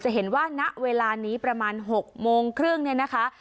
เห็นว่าณเวลานี้ประมาณ๖โมงครึ่งเนี่ยนะคะ